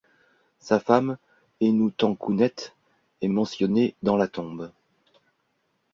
Sa femme, Hénoutenkhounet, est mentionnée dans la tombe.